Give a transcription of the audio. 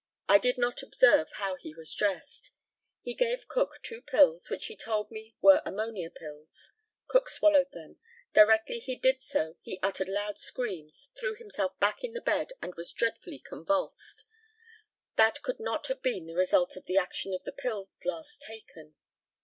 I did not observe how he was dressed. He gave Cook two pills, which he told me were ammonia pills. Cook swallowed them. Directly he did so he uttered loud screams, threw himself back in the bed, and was dreadfully convulsed. That could not have been the result of the action of the pills last taken.